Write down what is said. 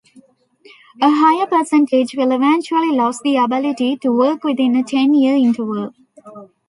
A higher percentage will eventually lose the ability to walk within a ten-year interval.